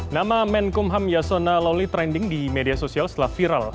nama menkumham yasona lawli trending di media sosial setelah viral